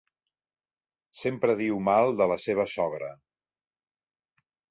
Sempre diu mal de la seva sogra.